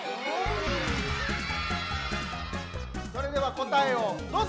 それではこたえをどうぞ！